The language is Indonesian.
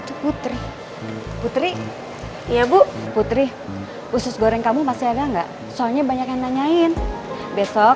eh putri putri ya bu putri khusus goreng kamu kedanga soalnya banyakpatient bandin besok